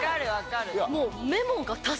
もう。